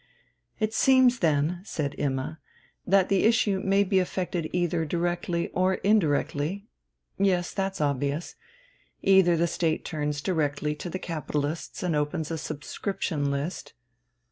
"It seems, then," said Imma, "that the issue may be effected either directly or indirectly yes, that's obvious. Either the State turns directly to the capitalists and opens a subscription list